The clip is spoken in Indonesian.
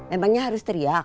emangnya harus teriak